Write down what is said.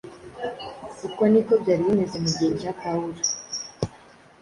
Uko ni ko byari bimeze mu gihe cya Pawulo,